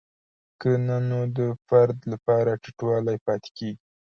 که نه نو د فرد لپاره ټیټوالی پاتې کیږي.